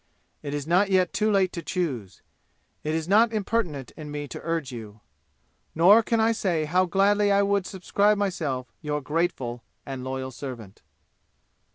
It is not yet too late to choose. It is not impertinent in me to urge you. "Nor can I say how gladly I would subscribe myself your grateful and loyal servant."